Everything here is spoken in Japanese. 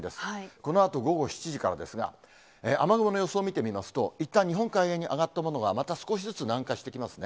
このあと午後７時からですが、雨雲の予想を見てみますと、いったん日本海側に上がったものが、また少しずつ南下してきますね。